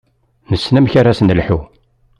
Nessen amek ara s-nelḥu.